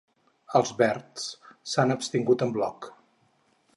Els verds s’han abstingut en bloc.